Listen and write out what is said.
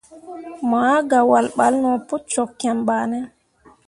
Mo ah gah wahl balle no pu cok kiem bah ne.